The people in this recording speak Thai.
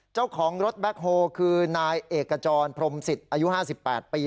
เจ้าของรถแบ็คโฮลคือนายเอกจรพรมศิษย์อายุ๕๘ปี